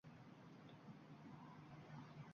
Jillikning qimmatroq Yaqin postanovkalari